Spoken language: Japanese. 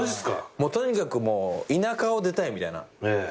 もうとにかく田舎を出たいみたいな。